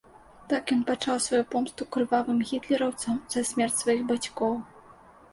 Так ён пачаў сваю помсту крывавым гітлераўцам за смерць сваіх бацькоў.